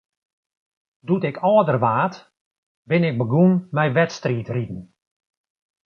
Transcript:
Doe't ik âlder waard, bin ik begûn mei wedstriidriden.